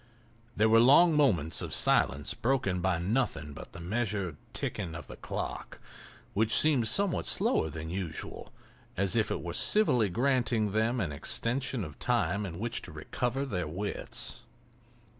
There were long moments of silence broken by nothing but the measured ticking of the clock, which seemed somewhat slower than usual, as if it were civilly granting them an extension of time in which to recover their wits.